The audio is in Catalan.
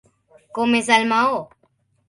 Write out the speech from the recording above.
Com és el maó?